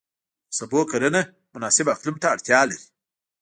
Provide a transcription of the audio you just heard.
د سبو کرنه مناسب اقلیم ته اړتیا لري.